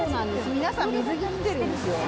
皆さん、水着着てるんですよ。